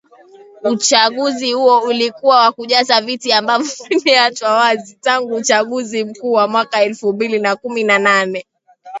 uchaguzi huo ulikuwa wa kujaza viti ambavyo vimeachwa wazi tangu uchaguzi mkuu wa mwaka elfu mbili na kumi na nane